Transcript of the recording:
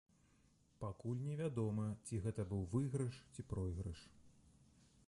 Пакуль невядома, ці гэта быў выйгрыш, ці пройгрыш.